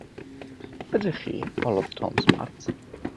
"Ydych chi?" holodd Tom Smart.